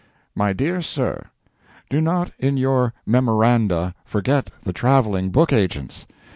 MY DEAR SIR: Do not, in your MEMORANDA, forget the travelling book agents.